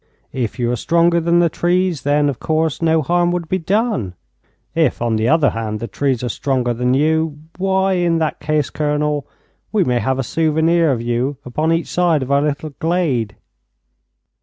If you are stronger than the trees, then, of course, no harm would be done; if, on the other hand, the trees are stronger than you, why, in that case, Colonel, we may have a souvenir of you upon each side of our little glade.'